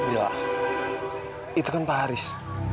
ya itu kan pak haris